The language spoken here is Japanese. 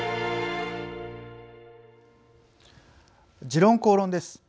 「時論公論」です。